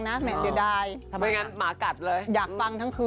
เข้ารอบแหละแต่ไม่ได้บอกว่าเข้ารอบเท่าไร